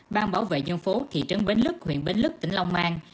ban bảo vệ dân phố thị trấn bến lức huyện bến lức tỉnh long an